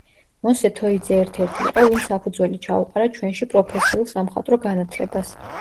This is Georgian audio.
მოსე თოიძე ერთ-ერთი იყო, ვინც საფუძველი ჩაუყარა ჩვენში პროფესიულ სამხატვრო განათლებას.